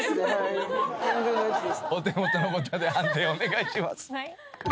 お手元のボタンで判定お願いします。